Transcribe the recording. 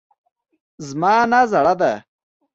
زما نیا زړه ده